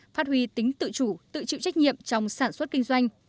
phát huy tính tự chủ tự chịu trách nhiệm trong sản xuất kinh doanh